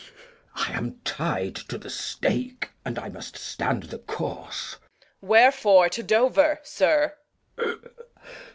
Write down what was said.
Glou. I am tied to th' stake, and I must stand the course. Reg. Wherefore to Dover, sir?